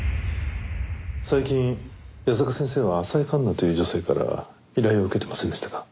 最近矢坂先生は浅井環那という女性から依頼を受けてませんでしたか？